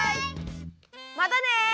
またね！